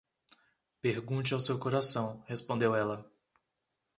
Pergunte ao seu coração, respondeu ela.